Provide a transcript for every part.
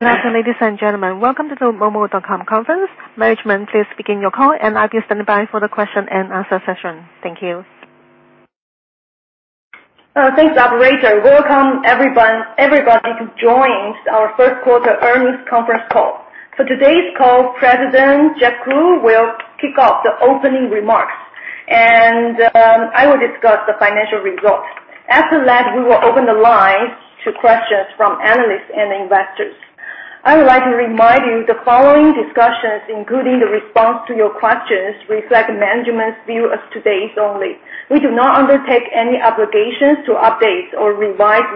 Good afternoon, ladies and gentlemen. Welcome to the momo.com conference. Management is beginning your call, and I'll be standing by for the question and answer session. Thank you. Thanks, operator. Welcome everyone, everybody who joins our first quarter earnings conference call. For today's call, President Jeff Ku will kick off the opening remarks, and I will discuss the financial results. After that, we will open the lines to questions from analysts and investors. I would like to remind you the following discussions, including the response to your questions, reflect management's view as today's only. We do not undertake any obligations to update or revise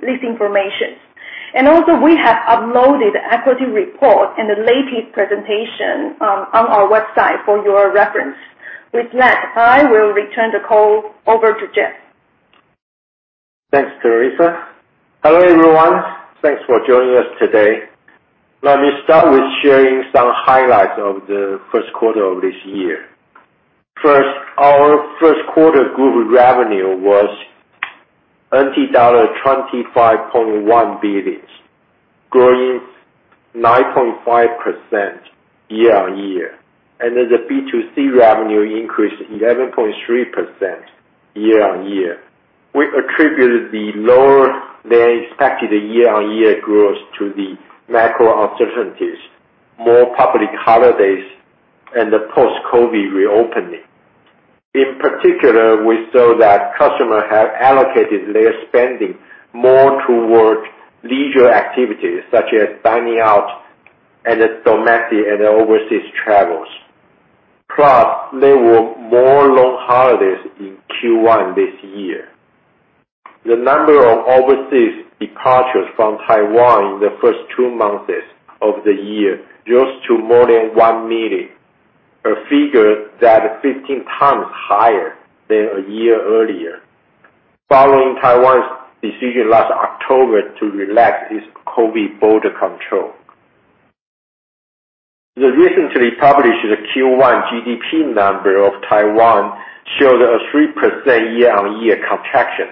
this information. Also, we have uploaded equity report and the latest presentation on our website for your reference. With that, I will return the call over to Jeff. Thanks, Terrisa. Hello, everyone. Thanks for joining us today. Let me start with sharing some highlights of the first quarter of this year. First, our first quarter group revenue was TWD 25.1 billion, growing 9.5% year-on-year. The B2C revenue increased 11.3% year-on-year. We attributed the lower than expected year-on-year growth to the macro uncertainties, more public holidays and the post-COVID reopening. In particular, we saw that customer have allocated their spending more toward leisure activities such as dining out and domestic and overseas travels. Plus, there were more long holidays in Q1 this year. The number of overseas departures from Taiwan in the first two months of the year rose to more than 1 million, a figure that is 15x higher than a year earlier, following Taiwan's decision last October to relax its COVID border control. The recently published Q1 GDP number of Taiwan showed a 3% year-on-year contraction,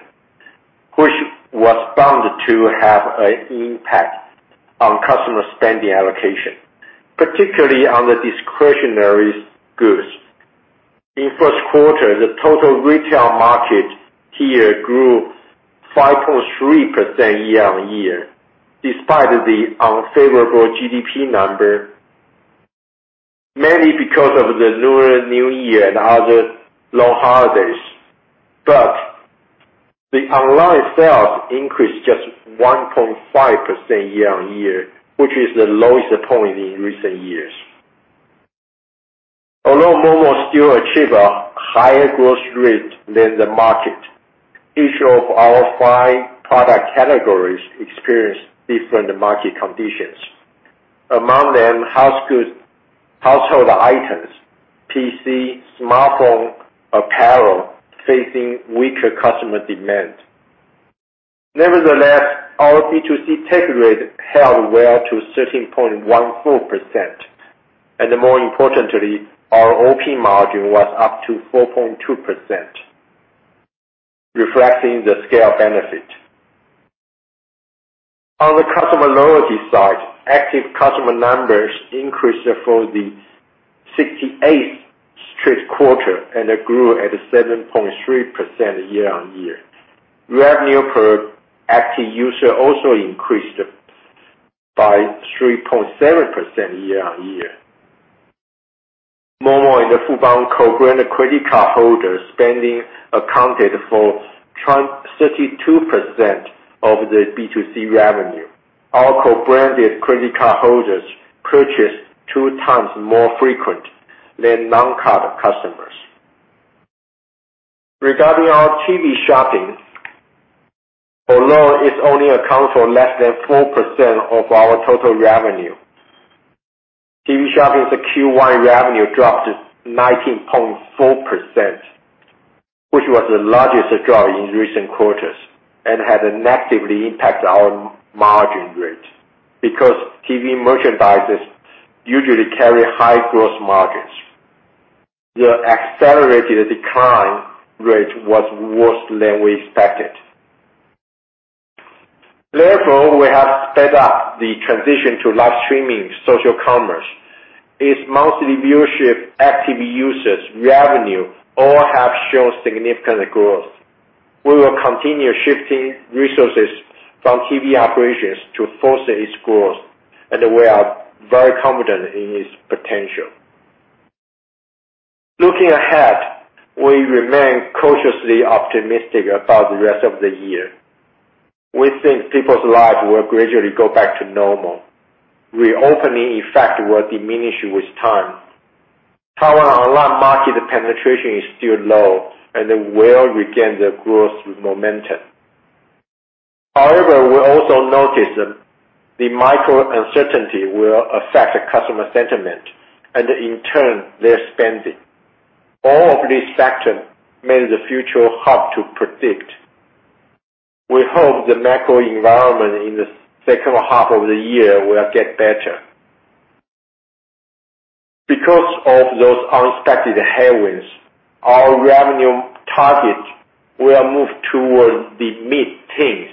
which was bound to have an impact on customer spending allocation, particularly on the discretionary goods. In first quarter, the total retail market here grew 5.3% year-on-year despite the unfavorable GDP number, mainly because of the Lunar New Year and other long holidays. The online sales increased just 1.5% year-on-year, which is the lowest point in recent years. Although momo.com still achieve a higher growth rate than the market, each of our five product categories experienced different market conditions. Among them, house goods, household items, PC, smartphone, apparel, facing weaker customer demand. Nevertheless, our B2C take rate held well to 13.14%. More importantly, our OP margin was up to 4.2%, reflecting the scale benefit. On the customer loyalty side, active customer numbers increased for the 68 straight quarter and it grew at 7.3% year-on-year. Revenue per active user also increased by 3.7% year-on-year. momo.com and the Fubon co-branded credit card holder spending accounted for 32% of the B2C revenue. Our co-branded credit card holders purchase 2x more frequent than non-card customers. Regarding our TV shopping, although it only account for less than 4% of our total revenue, TV shopping's Q1 revenue dropped 19.4%, which was the largest drop in recent quarters and had negatively impacted our margin rate. Because TV merchandisers usually carry high gross margins, the accelerated decline rate was worse than we expected. Therefore, we have sped up the transition to live streaming, social commerce. Its monthly viewership, active users, revenue, all have shown significant growth. We will continue shifting resources from TV operations to foster its growth, and we are very confident in its potential. Looking ahead, we remain cautiously optimistic about the rest of the year. We think people's lives will gradually go back to normal. Reopening effect will diminish with time. Taiwan online market penetration is still low and it will regain the growth momentum. However, we also notice the micro-uncertainty will affect the customer sentiment and in turn, their spending. All of these factors made the future hard to predict. We hope the macro environment in the second half of the year will get better. Because of those unexpected headwinds, our revenue target will move towards the mid-teens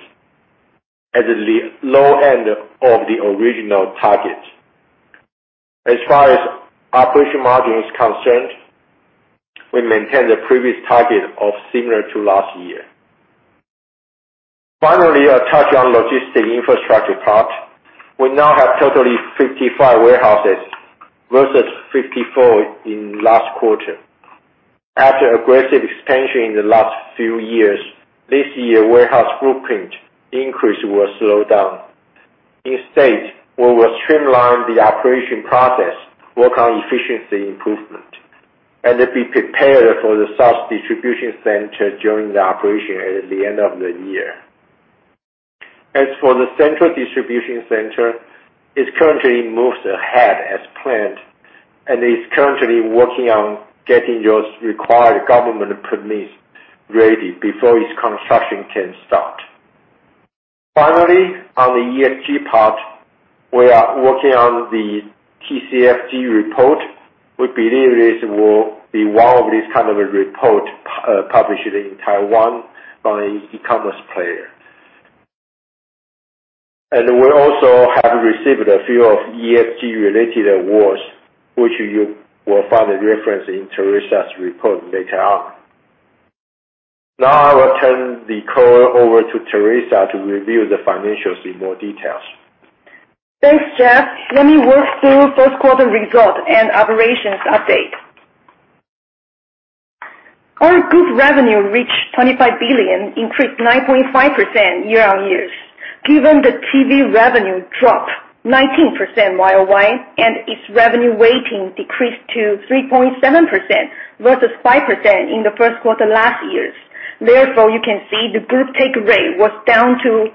at the low end of the original target. As far as operation margin is concerned, we maintain the previous target of similar to last year. Finally, I'll touch on logistic infrastructure part. We now have totally 55 warehouses versus 54 in last quarter. After aggressive expansion in the last few years, this year warehouse footprint increase will slow down. Instead, we will streamline the operation process, work on efficiency improvement, and be prepared for the South Distribution Center during the operation at the end of the year. As for the central distribution center, it currently moves ahead as planned and is currently working on getting those required government permits ready before its construction can start. Finally, on the ESG part, we are working on the TCFD report. We believe this will be one of this kind of a report published in Taiwan by an e-commerce player. We also have received a few of ESG related awards, which you will find a reference in Teresa's report later on. I will turn the call over to Teresa to review the financials in more details. Thanks, Jeff. Let me walk through first quarter result and operations update. Our group revenue reached 25 billion, increased 9.5% year-on-year. Given the TV revenue dropped 19% year-over-year, its revenue weighting decreased to 3.7% versus 5% in the first quarter last year's. You can see the good take rate was down to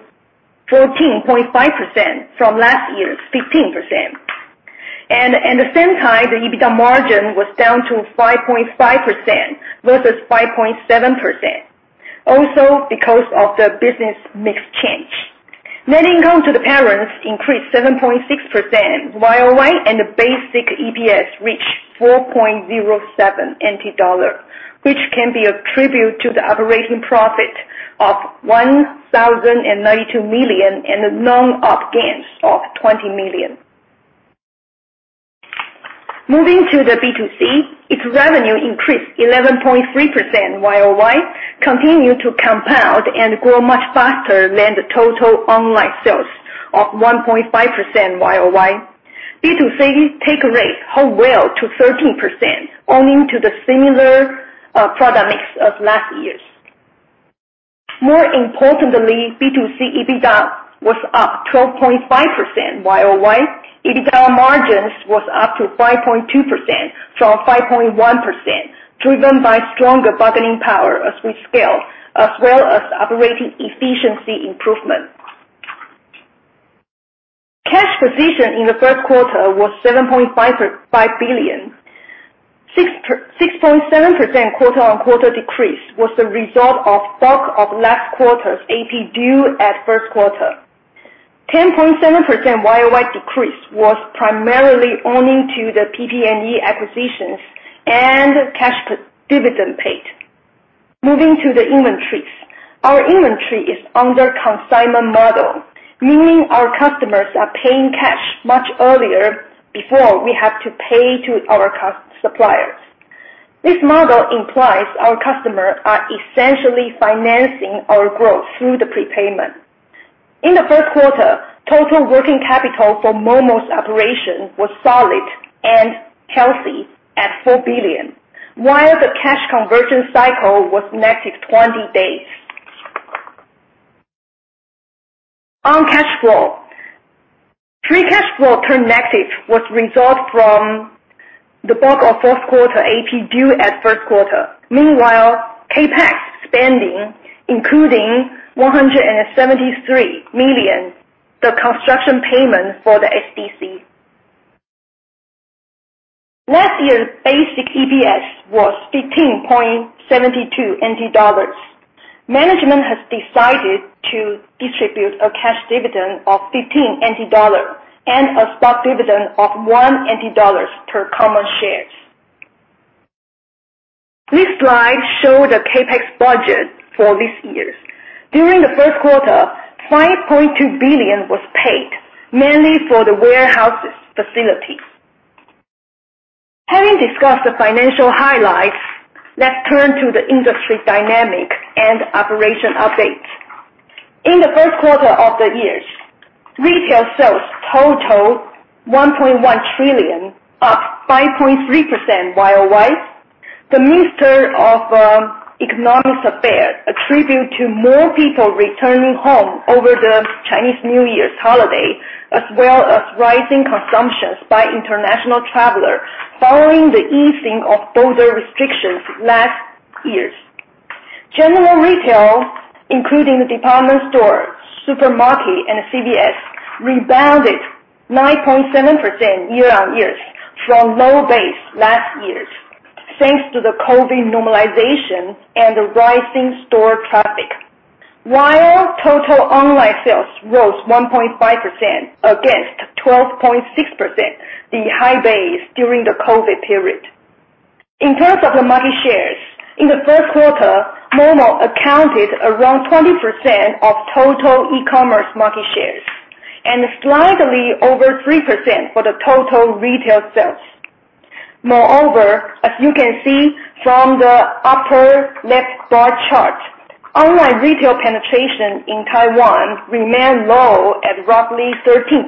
14.5% from last year's 15%. At the same time, the EBITDA margin was down to 5.5% versus 5.7%, also because of the business mix change. Net income to the parents increased 7.6% year-over-year, the basic EPS reached NTD 4.07, which can be attributed to the operating profit of 1,092 million and the non-op gains of 20 million. Moving to the B2C, its revenue increased 11.3% year-over-year, continued to compound and grow much faster than the total online sales of 1.5% year-over-year. B2C take rate held well to 13%, owing to the similar product mix of last year's. More importantly, B2C EBITDA was up 12.5% year-over-year. EBITDA margins was up to 5.2% from 5.1%, driven by stronger bargaining power as we scale, as well as operating efficiency improvement. Cash position in the first quarter was 7.5 billion. 6.7% quarter-on-quarter decrease was a result of bulk of last quarter's AP due at first quarter. 10.7% year-over-year decrease was primarily owing to the PP&E acquisitions and cash dividend paid. Moving to the inventories. Our inventory is under consignment model, meaning our customers are paying cash much earlier before we have to pay to our suppliers. This model implies our customer are essentially financing our growth through the prepayment. In the first quarter, total working capital for MOMO's operation was solid and healthy at 4 billion, while the cash conversion cycle was -20 days. On cash flow. Free cash flow turned negative was result from the bulk of fourth quarter AP due at first quarter. CapEx spending, including 173 million, the construction payment for the SDC. Last year's basic EPS was 15.72 NT dollars. Management has decided to distribute a cash dividend of 15 NT dollars and a stock dividend of TWD one per common shares. This slide show the CapEx budget for this year's. During the first quarter, 5.2 billion was paid mainly for the warehouse's facilities. Having discussed the financial highlights, let's turn to the industry dynamic and operation updates. In the first quarter of the year's, retail sales totaled 1.1 trillion, up 5.3% year-over-year. The Minister of Economic Affairs attribute to more people returning home over the Chinese New Year's holiday, as well as rising consumptions by international traveler following the easing of border restrictions last year's. General retail, including the department store, supermarket, and CVS, rebounded 9.7% year-on-year from low base last year's, thanks to the COVID normalization and the rising store traffic. While total online sales rose 1.5% against 12.6%, the high base during the COVID period. In terms of the market shares, in the first quarter, momo.com accounted around 20% of total e-commerce market shares, and slightly over 3% for the total retail sales. Moreover, as you can see from the upper left bar chart, online retail penetration in Taiwan remained low at roughly 13%,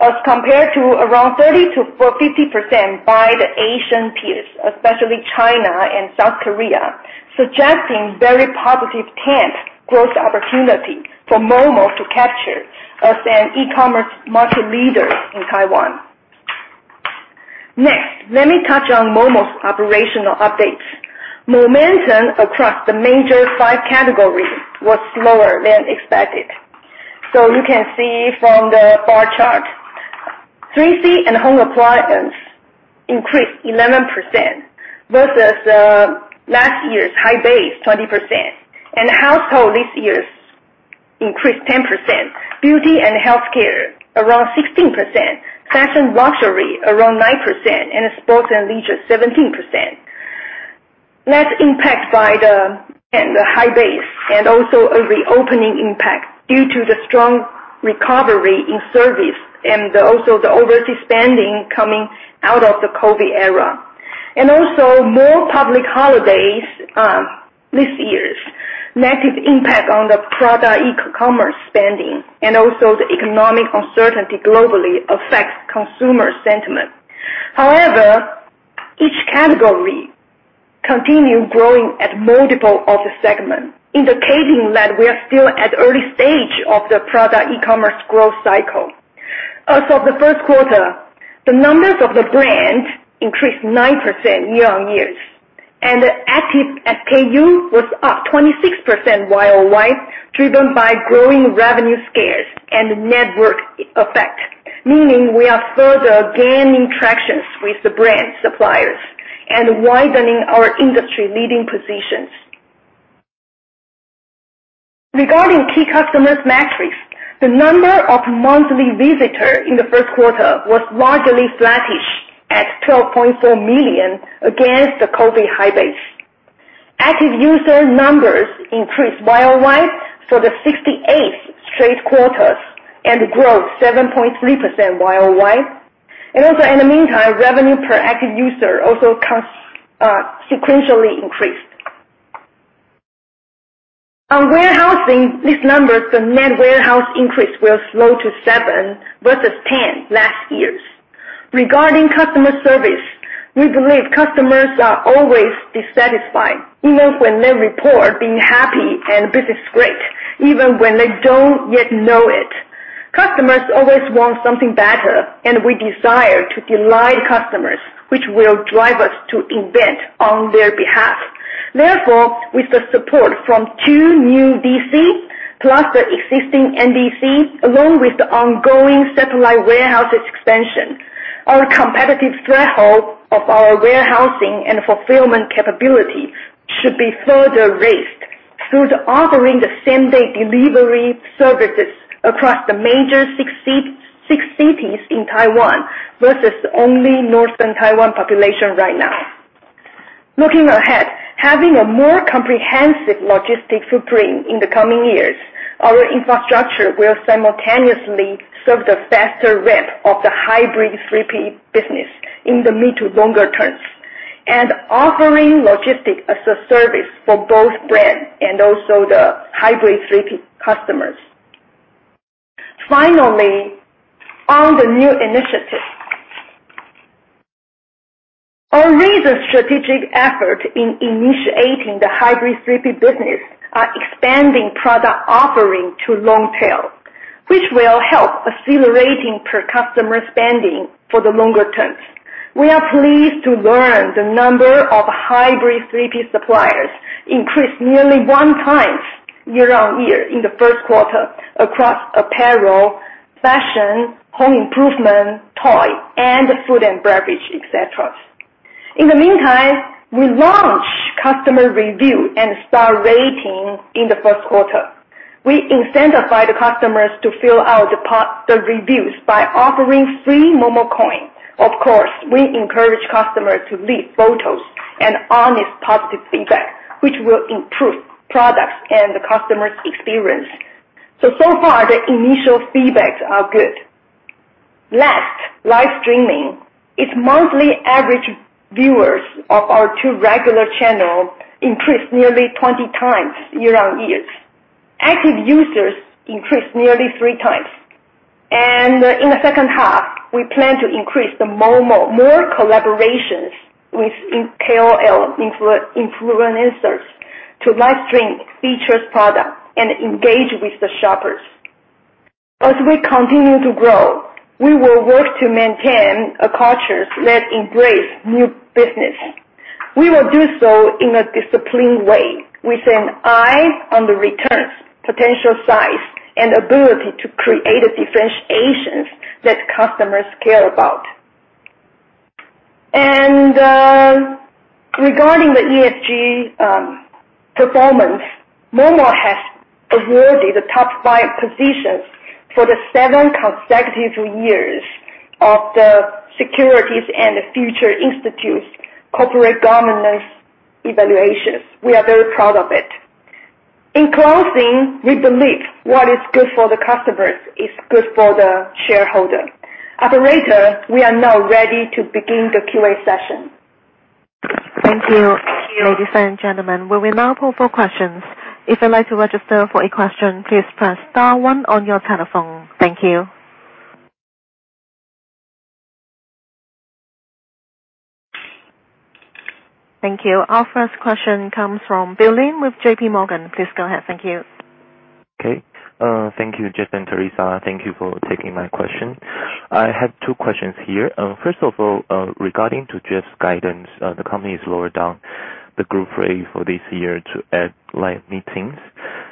as compared to around 30%-50% by the Asian peers, especially China and South Korea, suggesting very positive tent growth opportunity for momo.com to capture as an e-commerce market leader in Taiwan. Next, let me touch on momo.com's operational updates. Momentum across the major five categories was slower than expected. You can see from the bar chart, 3C and home appliance increased 11% versus last year's high base, 20%. Household this year increased 10%. Beauty and healthcare around 16%. Fashion luxury around 9%. Sports and leisure 17%. That's impacted by the, again, the high base and also a reopening impact due to the strong recovery in service and also the overseas spending coming out of the COVID era. Also more public holidays this year's negative impact on the product e-commerce spending and also the economic uncertainty globally affects consumer sentiment. However, each category continued growing at multiple of the segment, indicating that we are still at early stage of the product e-commerce growth cycle. As of the first quarter, the numbers of the brand increased 9% year-on-year, and the active SKU was up 26% year-over-year, driven by growing revenue scales and network effect, meaning we are further gaining tractions with the brand suppliers and widening our industry leading positions. Regarding key customer metrics, the number of monthly visitors in the first quarter was largely flattish at 12.4 million against the COVID high base. Active user numbers increased year-over-year for the 68 straight quarters and growth 7.3% year-over-year. In the meantime, revenue per active user also cost sequentially increased. On warehousing, these numbers, the net warehouse increase will slow to seven versus 10 last year's. Regarding customer service, we believe customers are always dissatisfied, even when they report being happy and business is great, even when they don't yet know it. Customers always want something better, and we desire to delight customers, which will drive us to invent on their behalf. With the support from two new DCs, plus the existing NDC, along with the ongoing satellite warehouse expansion, our competitive threshold of our warehousing and fulfillment capability should be further raised through the offering the same-day delivery services across the major six cities in Taiwan versus only northern Taiwan population right now. Looking ahead, having a more comprehensive logistic footprint in the coming years, our infrastructure will simultaneously serve the faster ramp of the hybrid 3P business in the mid to longer terms, and offering logistic as a service for both brand and also the hybrid 3P customers. On the new initiative. Our recent strategic effort in initiating the hybrid 3P business are expanding product offering to long tail, which will help accelerating per customer spending for the longer terms. We are pleased to learn the number of hybrid 3P suppliers increased nearly one times year-on-year in the first quarter across apparel, fashion, home improvement, toy, and food and beverage, et cetera. In the meantime, we launched customer review and star rating in the first quarter. We incentivize the customers to fill out the reviews by offering free momo.com coin. Of course, we encourage customers to leave photos and honest positive feedback, which will improve products and the customers' experience. So far, the initial feedbacks are good. Last, live streaming. Its monthly average viewers of our two regular channel increased nearly 20 times year-on-year. Active users increased nearly three times. In the second half, we plan to increase the momo.com more collaborations with KOL influencers to live stream featured products and engage with the shoppers. As we continue to grow, we will work to maintain a culture that embrace new business. We will do so in a disciplined way, with an eye on the returns, potential size, and ability to create a differentiations that customers care about. Regarding the ESG performance, momo.com has awarded the top five positions for the seven consecutive years of the Securities and Futures Institute's Corporate Governance Evaluations. We are very proud of it. In closing, we believe what is good for the customers is good for the shareholder. Operator, we are now ready to begin the QA session. Thank you. Ladies and gentlemen, we will now pull for questions. If you'd like to register for a question, please press star one on your telephone. Thank you. Thank you. Our first question comes from Bill Lin with JPMorgan. Please go ahead. Thank you. Okay. Thank you, Jeff and Terrisa. Thank you for taking my question. I have two questions here. First of all, regarding to Jeff Ku's guidance, the company's lowered down the group rate for this year to like mid-teens.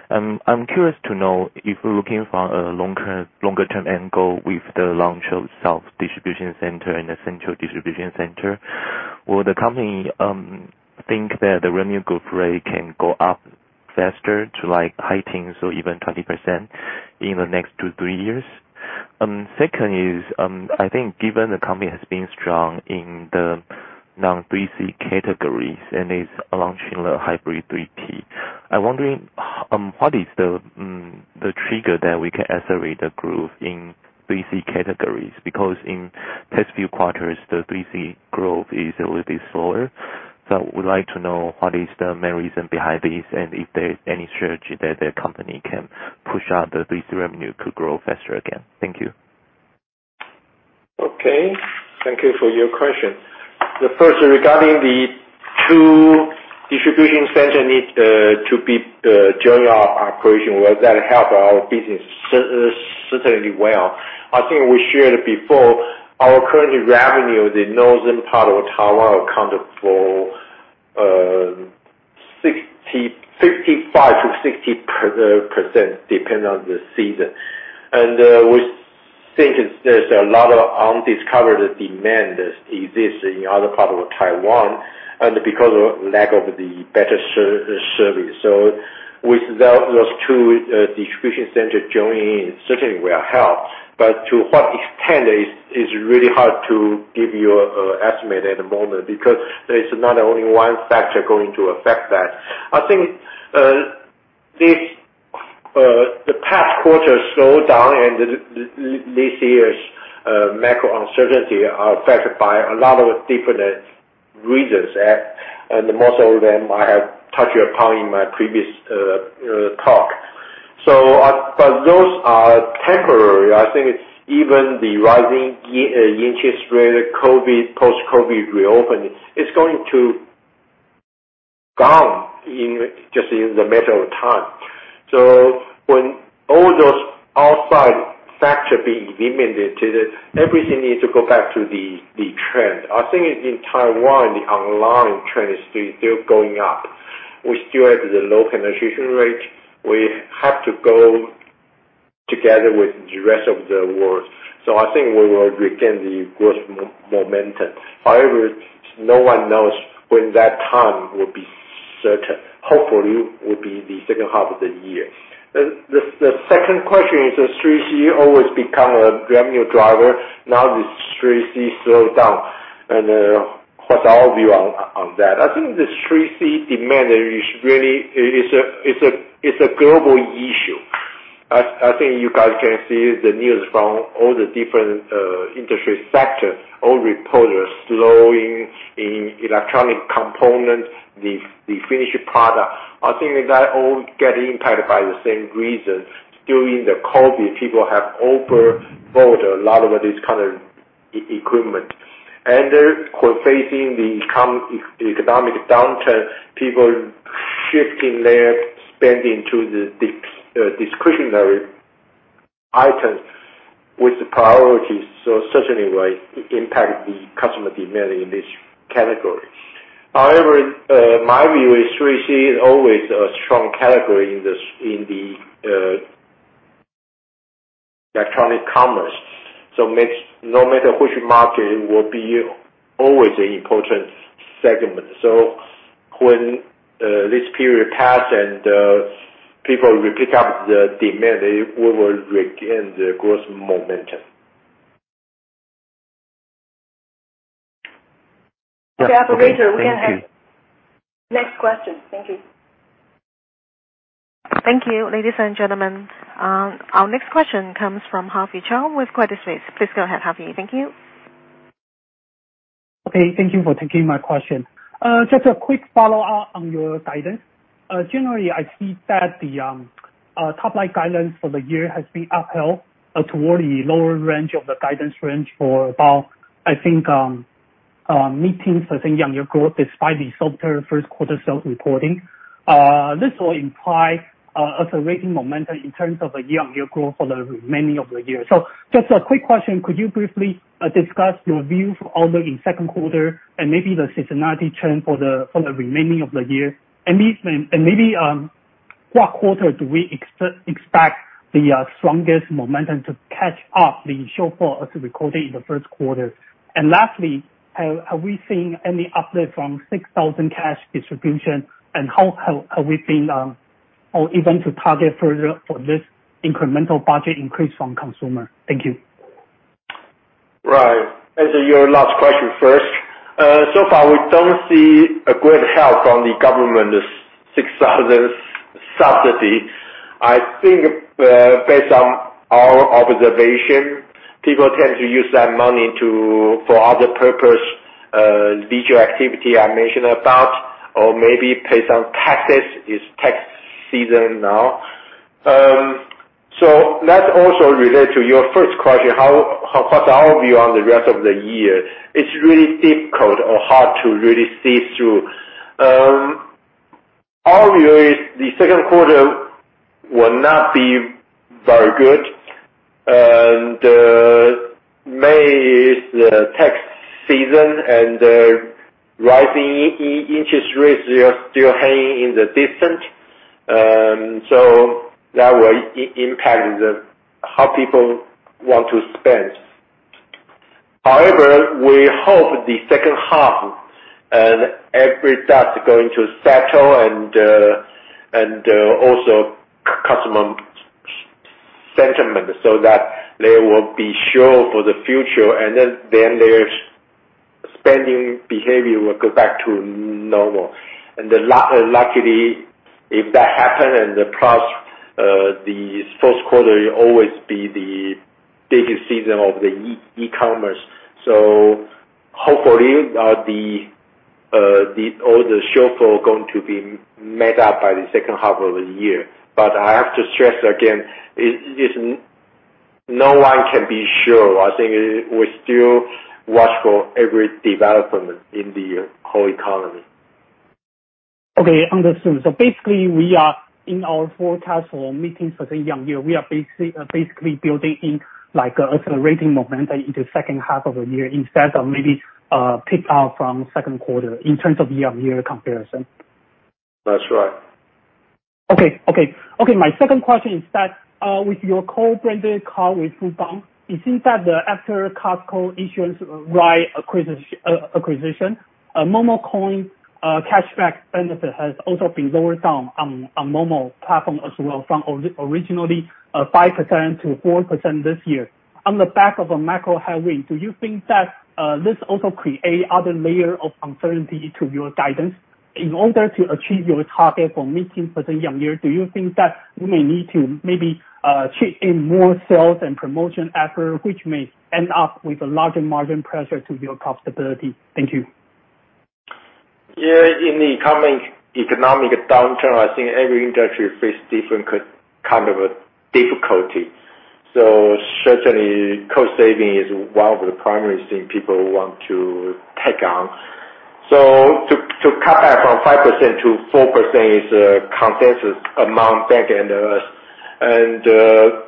I'm curious to know if we're looking for a longer term end goal with the launch of South Distribution Center and the Central Distribution Center. Will the company think that the revenue growth rate can go up faster to like high teens or even 20% in the next two, three years? Second is, I think given the company has been strong in the non-3C categories and is launching the Hybrid 3C, I'm wondering what is the trigger that we can accelerate the growth in 3C categories? In past few quarters, the 3C growth is a little bit slower. I would like to know what is the main reason behind this, and if there's any strategy that the company can push out the 3C revenue to grow faster again. Thank you. Okay, thank you for your question. The first regarding the two distribution center need during our operation. Will that help our business? Certainly well. I think we shared before our current revenue in the northern part of Taiwan account for 60%, 55%-60% depending on the season. We think it's, there's a lot of undiscovered demand that exists in other parts of Taiwan, and because of lack of the better service. With those two distribution center joining in certainly will help. To what extent is really hard to give you a estimate at the moment because there's not only one factor going to affect that. I think, this, the past quarter slowed down and this year's macro uncertainty are affected by a lot of different reasons and most of them I have touched upon in my previous talk. But those are temporary. I think even the rising interest rate, COVID, post-COVID reopening, it's going to gone in just in the matter of time. When all those outside factor being eliminated, everything needs to go back to the trend. I think in Taiwan, the online trend is still going up. We still have the low penetration rate. We have to go together with the rest of the world. I think we will retain the growth momentum. However, no one knows when that time will be certain. Hopefully, it will be the second half of the year. The second question is, does 3C always become a revenue driver now this 3C slow down? What's our view on that? I think this 3C demand is really, it's a global issue. I think you guys can see the news from all the different industry sectors, all report a slowing in electronic components, the finished product. I think that all get impacted by the same reasons. During the COVID, people have over-bought a lot of this kind of e-equipment. They're facing the economic downturn, people shifting their spending to the discretionary items with the priorities. Certainly will impact the customer demand in this category. However, my view is 3C is always a strong category in the electronic commerce. makes. No matter which market, it will be always an important segment. When this period pass and people will pick up the demand, we will regain the growth momentum. Yeah. Operator, we can have next question. Thank you. Thank you. Ladies and gentlemen, our next question comes from Harvie Chou with Credit Suisse. Please go ahead, Harvey. Thank you. Okay, thank you for taking my question. Just a quick follow-up on your guidance. Generally, I see that the top line guidance for the year has been upheld toward the lower range of the guidance range for about, I think, mid-teens, I think year-over-year growth, despite the softer first quarter sales reporting. This will imply accelerating momentum in terms of a year-over-year growth for the remaining of the year. Just a quick question. Could you briefly discuss your view for order in second quarter and maybe the seasonality trend for the remaining of the year? What quarter do we expect the strongest momentum to catch up the shortfall as recorded in the first quarter? Lastly, have we seen any uplift from 6,000 cash distribution? How have we been, or even to target further for this incremental budget increase from consumer? Thank you. Right. Answer your last question first. So far, we don't see a great help from the government's 6,000 subsidy. I think, based on our observation, people tend to use that money for other purpose, leisure activity I mentioned about or maybe pay some taxes. It's tax season now. That also relate to your first question, how, what's our view on the rest of the year? It's really difficult or hard to really see through. Our view is the second quarter will not be very good. May is the tax season and, rising interest rates are still hanging in the distance. That will impact the how people want to spend. However, we hope the second half and every dust going to settle and also customer sentiment so that they will be sure for the future and then their spending behavior will go back to normal. Luckily, if that happen and the plus, the first quarter always be the biggest season of e-commerce. Hopefully, the all the shortfall going to be made up by the second half of the year. I have to stress again, it's no one can be sure. I think we still watch for every development in the whole economy. Okay. Understood. Basically we are in our forecast or meetings for the year, we are basically building in like a accelerating momentum into second half of the year instead of maybe, pick up from second quarter in terms of year-on-year comparison. That's right. Okay. Okay. Okay. My second question is that, with your co-branded card with Fubon, it seems that the after Costco issuance right acquisition, a momo.com coin, cashback benefit has also been lowered down on momo.com platform as well from originally, 5% to 4% this year. On the back of a macro highway, do you think that this also create other layer of uncertainty to your guidance? In order to achieve your target for meeting for the year, do you think that you may need to maybe chip in more sales and promotion effort, which may end up with a larger margin pressure to your profitability? Thank you. Yeah. In the economic downturn, I think every industry faces different kind of a difficulty. certainly, cost saving is one of the primary things people want to take on. cut back from 5% to 4% is a consensus among bank and us.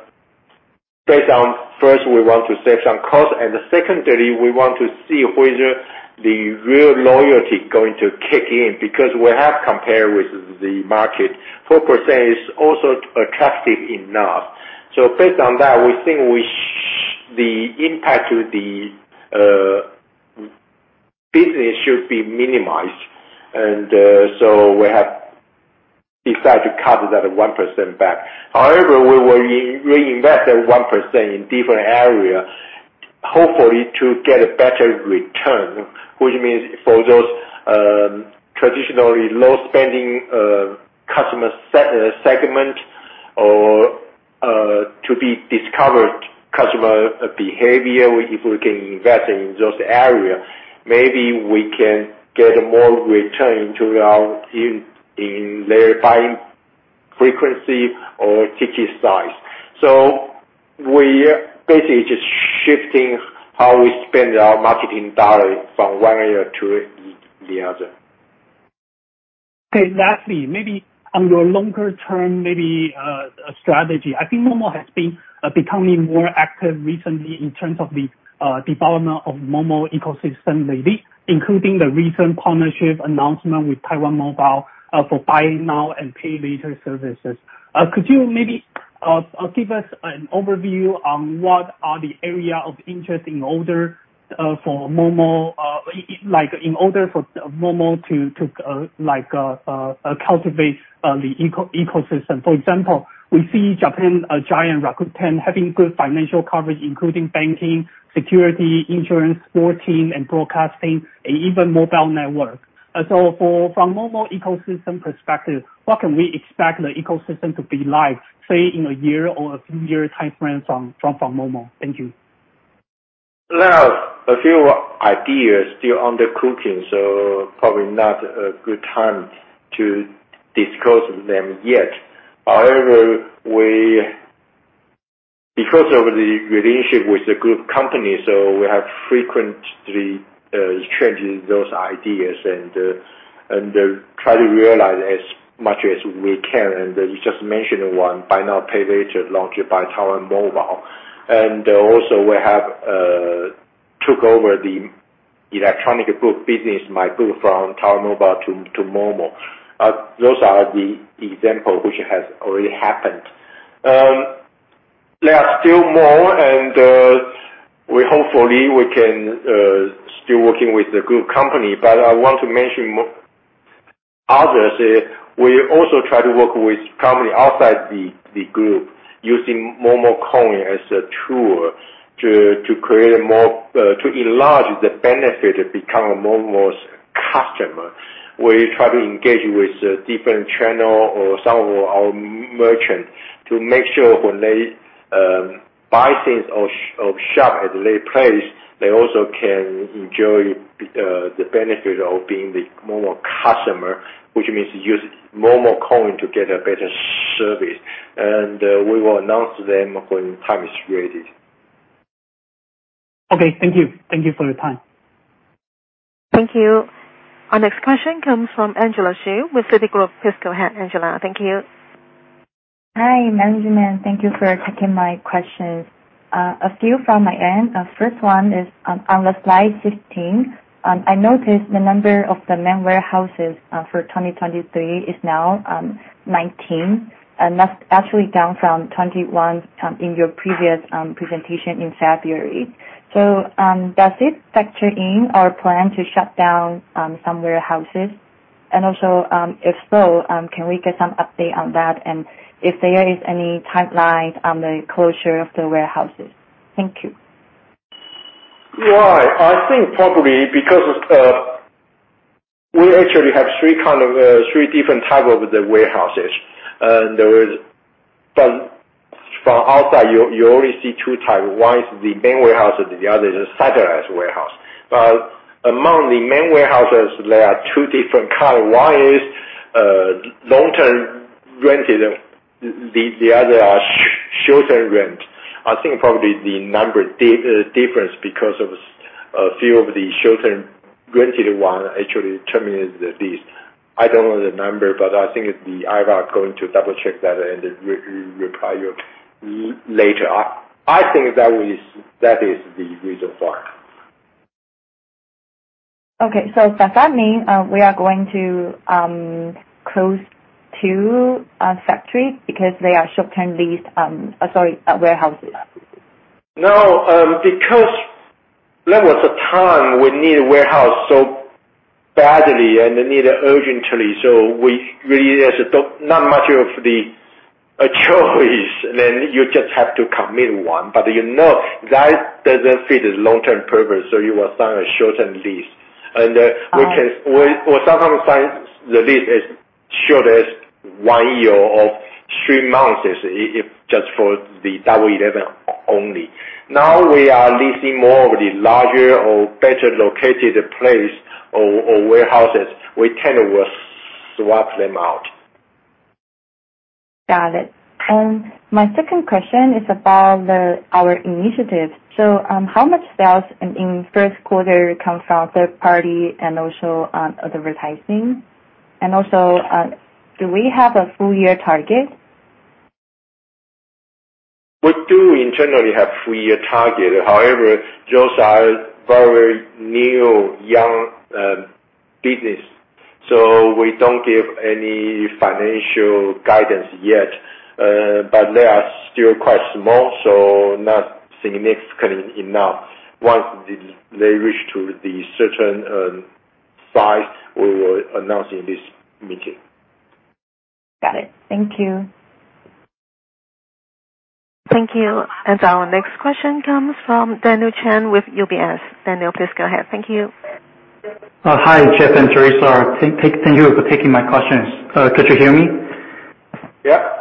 based on first we want to save some cost and secondly, we want to see whether the real loyalty going to kick in because we have compared with the market, 4% is also attractive enough. based on that, we think we the impact to the business should be minimized. we have decided to cut that 1% back. However, we will reinvest that 1% in different area, hopefully to get a better return, which means for those, traditionally low spending, customer segment or, to be discovered customer behavior, if we can invest in those area, maybe we can get more return to our in their buying frequency or ticket size. We basically just shifting how we spend our marketing dollar from one area to the other. Lastly, maybe on your longer term, maybe strategy. I think momo.com has been becoming more active recently in terms of the development of momo.com ecosystem, including the recent partnership announcement with Taiwan Mobile for buy now, pay later services. Could you give us an overview on what are the area of interest in order for momo.com, like in order for momo.com to cultivate the ecosystem. For example, we see Japan giant Rakuten having good financial coverage, including banking, security, insurance, sporting and broadcasting, and even mobile network. From momo.com ecosystem perspective, what can we expect the ecosystem to be like, say in a year or a few year time frame from momo.com? Thank you. There are a few ideas still under cooking, so probably not a good time to discuss them yet. However, we because of the relationship with the group company, so we have frequently exchanging those ideas and try to realize as much as we can. You just mentioned one, buy now, pay later, launched by Taiwan Mobile. Also we have Took over the electronic group business, my group from Taobao to momo.com. Those are the example which has already happened. There are still more, and we hopefully we can still working with a good company. I want to mention others. We also try to work with company outside the group using momo.com coin as a tool to create a more to enlarge the benefit, become a momo.com's customer. We try to engage with different channel or some of our merchants to make sure when they buy things or shop at their place, they also can enjoy the benefit of being the momo.com customer, which means use momo.com coin to get a better service, and we will announce them when time is ready. Okay. Thank you. Thank you for your time. Thank you. Our next question comes from Angela Hsu with Citigroup. Please go ahead, Angela. Thank you. Hi, management. Thank you for taking my questions. A few from my end. First one is on the slide 15, I noticed the number of the main warehouses, for 2023 is now 19, and that's actually down from 21, in your previous presentation in February. Does it factor in our plan to shut down some warehouses? Also, if so, can we get some update on that and if there is any timeline on the closure of the warehouses? Thank you. I think probably because of, we actually have three kind of, three different type of the warehouses. From outside, you only see two type. One is the main warehouse and the other is a satellite warehouse. Among the main warehouses there are two different kind. One is long-term rented. The other are short-term rent. I think probably the number difference because of a few of the short-term rented one actually terminates the lease. I don't know the number, I think the IR are going to double-check that and re-reply you later. I think that is the reason for it. Does that mean, we are going to close two factories because they are short-term lease, sorry, warehouses? No. Because there was a time we need a warehouse so badly and need it urgently, so we really has to not much of the choice. You just have to commit one. You know, that doesn't fit his long-term purpose, so you will sign a short-term lease. We sometimes sign the lease as short as one year or three months if just for the Double Eleven only. Now we are leasing more of the larger or better located place or warehouses, we kind of will swap them out. Got it. My second question is about our initiatives. How much sales in first quarter comes from third party and also advertising? Do we have a full year target? We do internally have full year target. Those are very new, young business, so we don't give any financial guidance yet. They are still quite small, so not significant enough. Once they reach to the certain size, we will announce in this meeting. Got it. Thank you. Thank you. Our next question comes from Daniel Chan with UBS. Daniel, please go ahead. Thank you. Hi, Jeff and Teresa. Thank you for taking my questions. Could you hear me? Yeah.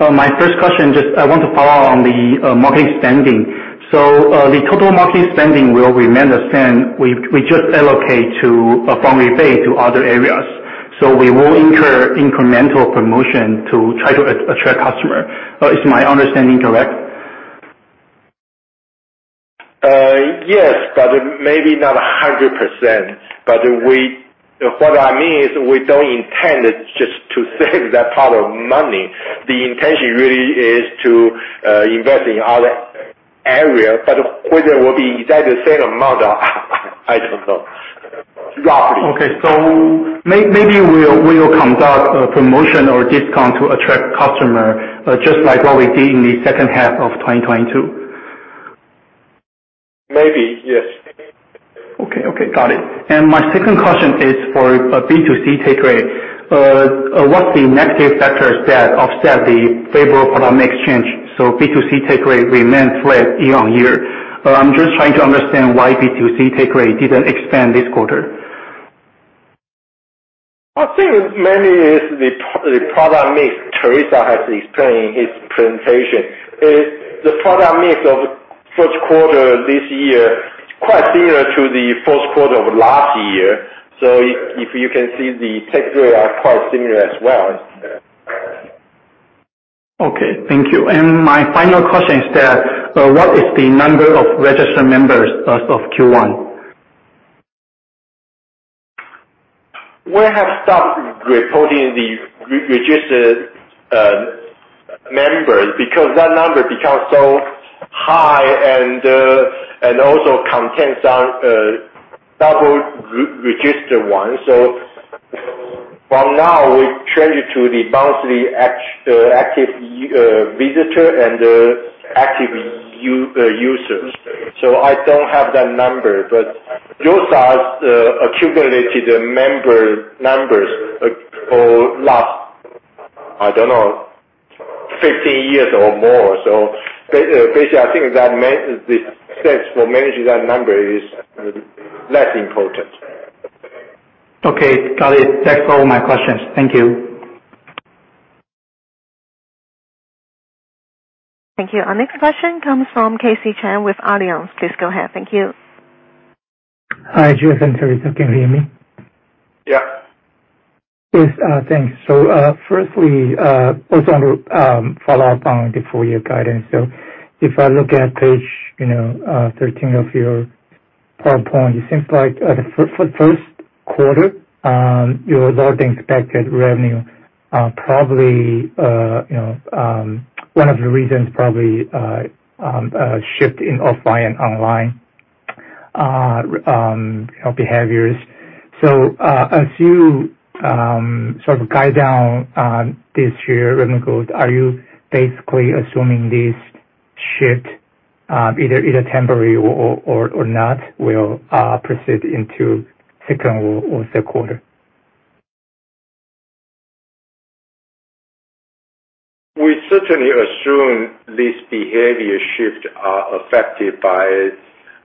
My first question just I want to follow on the marketing spending. The total marketing spending will remain the same. We just allocate to from eBay to other areas. We will incur incremental promotion to try to attract customer. Is my understanding correct? Yes, maybe not 100%. What I mean is we don't intend just to save that part of money. The intention really is to invest in other area, but whether it will be exactly the same amount, I don't know. Roughly. Okay. Maybe we'll conduct a promotion or discount to attract customer, just like what we did in the second half of 2022. Maybe, yes. Okay. Okay. Got it. My second question is for B2C take rate. What's the negative factors that offset the favorable economic change? B2C take rate remains flat year-on-year. I'm just trying to understand why B2C take rate didn't expand this quarter? I think mainly is the product mix. Teresa has explained in his presentation. The product mix of first quarter this year is quite similar to the first quarter of last year. If you can see the take rate are quite similar as well. Okay. Thank you. My final question is that, what is the number of registered members as of Q1? We have stopped reporting the re-registered members because that number becomes so high and also contains some double re-registered ones. From now we change to the monthly act active visitor and active users. I don't have that number, but those are accumulated member numbers for last, I don't know, 15 years or more. Basically, I think that the stats for managing that number is less important. Okay. Got it. That's all my questions. Thank you. Thank you. Our next question comes from Casey Chan with Alliance. Please go ahead. Thank you. Hi, Jeff and Terrisa. Can you hear me? Yeah. Yes. Thanks. Firstly, also on to follow up on the full year guidance. If I look at page, you know, 13 of your PowerPoint, it seems like, for first quarter, your lower than expected revenue, probably, you know, one of the reasons probably, shift in offline, online, help behaviors. As you sort of guide down on this year revenue growth, are you basically assuming this shift, either temporary or not, will proceed into second or third quarter? We certainly assume this behavior shift are affected by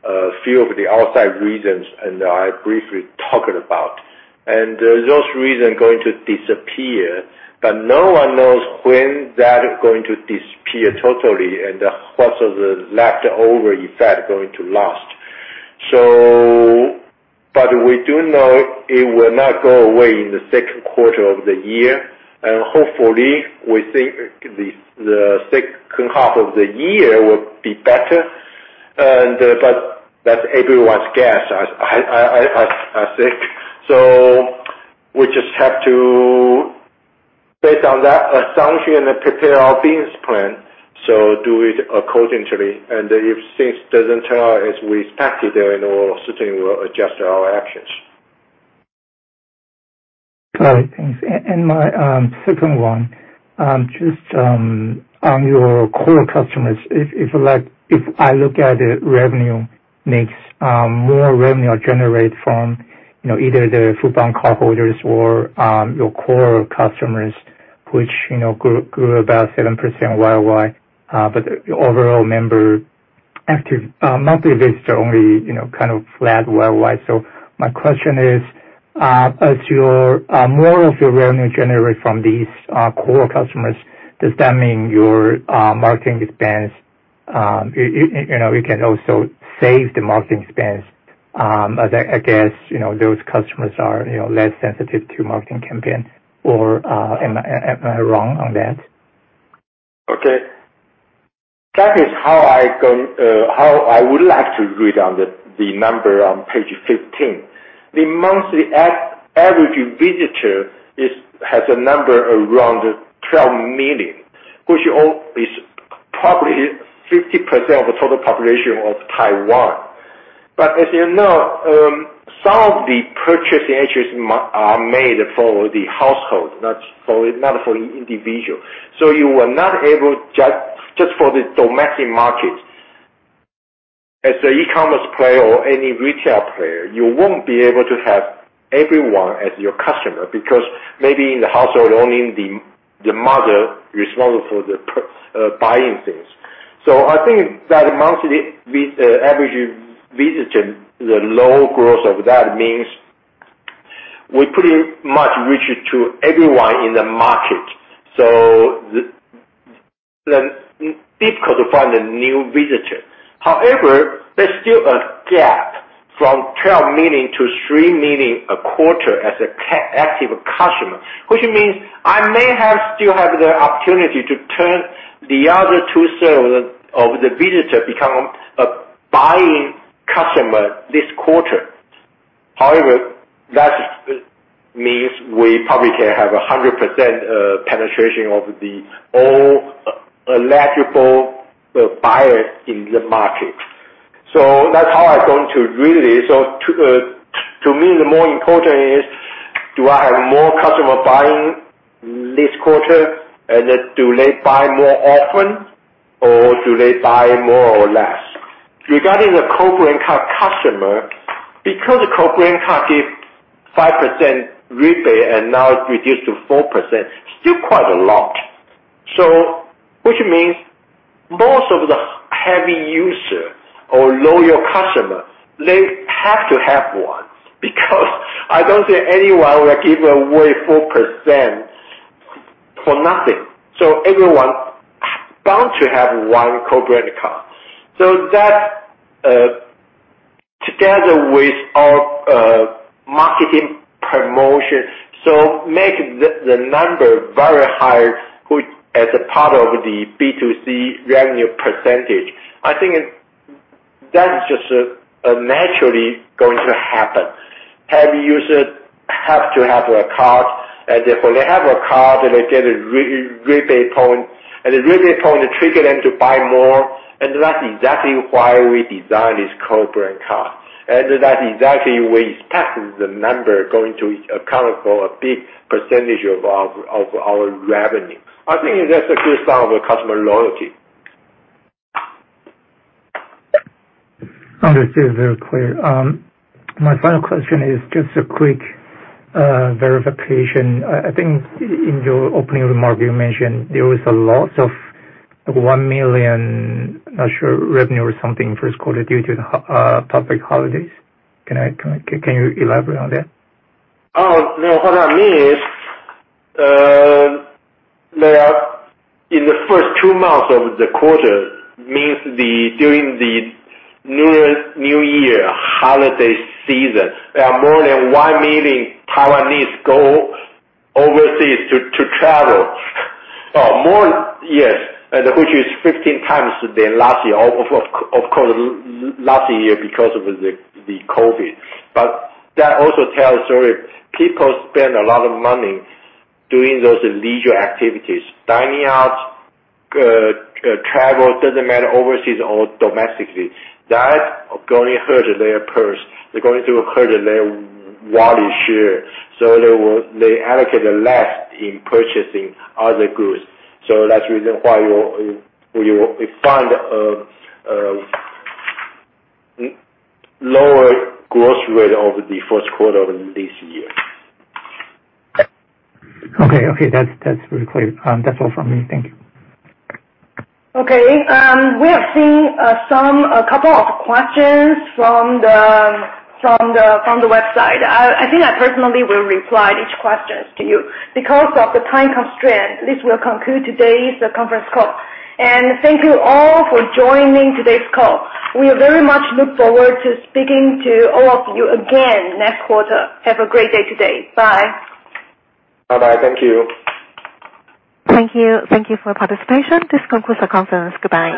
a few of the outside reasons, and I briefly talked about. Those reasons going to disappear, but no one knows when that going to disappear totally and also the leftover effect going to last. We do know it will not go away in the second quarter of the year. Hopefully we think the second half of the year will be better and, but that's everyone's guess. I think. We just have to based on that assumption and prepare our business plan, so do it accordingly. If things doesn't turn out as we expected, then we'll certainly will adjust our actions. Got it. Thanks. My second one, on your core customers. If like, if I look at the revenue mix, more revenue are generated from, you know, either the foodpanda cardholders or your core customers, which, you know, grew about 7% year-over-year. Overall member active monthly visits are only, you know, kind of flat year-over-year. My question is, as your more of your revenue generate from these core customers, does that mean your marketing spends, you know, you can also save the marketing spends? As I guess, you know, those customers are, you know, less sensitive to marketing campaign or am I wrong on that? Okay. That is how I going, how I would like to read on the number on page 15. The monthly average visitor has a number around 12 million, which is probably 50% of the total population of Taiwan. As you know, some of the purchasing entries are made for the household, not for individual. You are not able just for the domestic market. As an e-commerce player or any retail player, you won't be able to have everyone as your customer because maybe in the household, only the mother responsible for buying things. I think that monthly average visitor, the low growth of that means we pretty much reach to everyone in the market, the difficult to find a new visitor. There's still a gap from 12 million to 3 million a quarter as an active customer, which means I may have, still have the opportunity to turn the other two-third of the, of the visitor become a buying customer this quarter. That means we probably can have a 100% penetration of the all eligible buyers in the market. That's how I going to read it. To me, the more important is, do I have more customer buying this quarter, and then do they buy more often or do they buy more or less? Regarding the co-brand card customer, because co-brand card give 5% rebate and now reduced to 4%, still quite a lot. Which means most of the heavy users or loyal customers, they have to have one because I don't think anyone will give away 4% for nothing. Everyone bound to have one co-brand card. That, together with our marketing promotion, make the number very high, which as a part of the B2C revenue percentage, I think That is just naturally going to happen. Heavy users have to have a card, and therefore they have a card and they get a rebate point, and the rebate point trigger them to buy more. That's exactly why we designed this co-brand card. That's exactly we expect the number going to account for a big percentage of our revenue. I think that's a good sign of customer loyalty. Understood. Very clear. My final question is just a quick verification. I think in your opening remark, you mentioned there was a loss of 1 million, not sure, revenue or something in first quarter due to the public holidays. Can you elaborate on that? Oh, no. What I mean is, there are... In the first two months of the quarter, means during the New Year, New Year holiday season, there are more than 1 million Taiwanese go overseas to travel. More, yes, and which is 15 times than last year. Of course, last year because of the COVID. That also tells people spend a lot of money doing those leisure activities. Dining out, travel, doesn't matter overseas or domestically. That's going to hurt their purse. They're going to hurt their wallet share. They allocate less in purchasing other goods. That's the reason why you find a lower growth rate over the first quarter of this year. Okay. Okay. That's very clear. That's all from me. Thank you. Okay. We have seen a couple of questions from the website. I think I personally will reply each questions to you. Because of the time constraint, this will conclude today's conference call. Thank you all for joining today's call. We very much look forward to speaking to all of you again next quarter. Have a great day today. Bye. Bye-bye. Thank you. Thank you. Thank you for your participation. This concludes our conference. Goodbye.